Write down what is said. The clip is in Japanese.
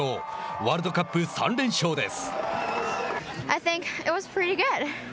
ワールドカップ３連勝です。